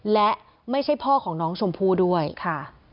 และไม่ใช่พ่อของน้องชมพู่ด้วยค่ะ